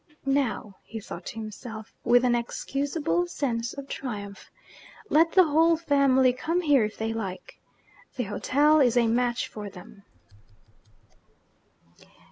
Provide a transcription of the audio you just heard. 'Now,' he thought to himself, with an excusable sense of triumph, 'let the whole family come here if they like! The hotel is a match for them.'